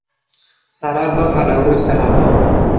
ساره دوه کاله وروسته راغله.